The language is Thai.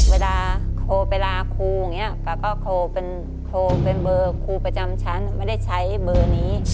เวลาโทรไปลาครูอย่างนี้ป๊าก็โทรเป็นเบอร์ครูประจำชั้นไม่ได้ใช้เบอร์นี้